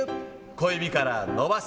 小指から伸ばす。